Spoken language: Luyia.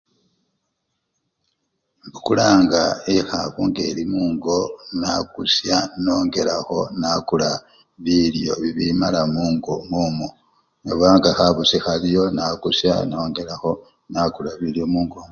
Imbukulanga ekhafu ngeli mungo nacha nakusya nongelakho nakula bilyo bimala mungo omwomwo, obanga khabusi khaliyo, nakusya nongelakho nakula bilyo mungo omwo.